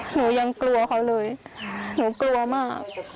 หนูยังกลัวเขาเลยหนูกลัวมาก